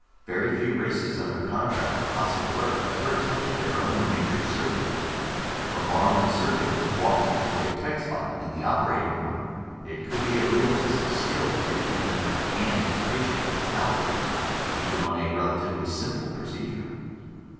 Very few races under contract with Hospital Earth ever attempted their own major surgery. If a Moruan surgeon had walked into a tight spot in the operating room, it could be a real test of skill to get him and his patient out of it, even on a relatively simple procedure.